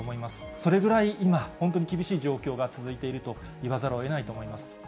それぐらい今、本当に厳しい状況が続いていると言わざるをえないと思います。